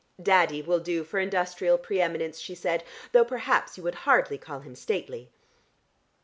"Daddy will do for industrial pre eminence," she said, "though perhaps you would hardly call him stately."